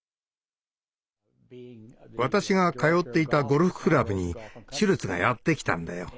私が通っていたゴルフクラブにシュルツがやって来たんだよ。